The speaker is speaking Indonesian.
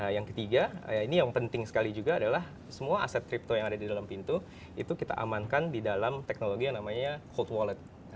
yang ketiga ini yang penting sekali juga adalah semua aset kripto yang ada di dalam pintu itu kita amankan di dalam teknologi yang namanya cold wallet